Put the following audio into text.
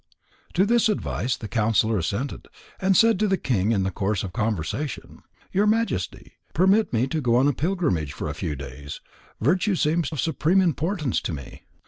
To this advice the counsellor assented, and said to the king in the course of conversation: "Your Majesty, permit me to go on a pilgrimage for a few days. Virtue seems of supreme importance to me."